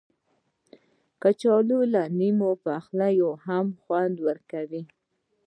کچالو له نیم پخلي هم خوند ورکوي